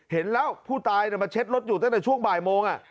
เห็นแล้วผู้ตายมาเช็ดรถอยู่ตั้งแต่ช่วงบ่ายโมง